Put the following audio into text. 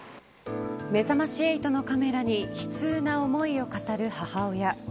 めざまし８のカメラに悲痛な思いを語る母親